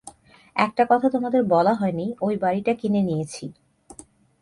একটা কথা তোমাদের বলা হয় নি, ঐ বাড়িটা কিনে নিয়েছি।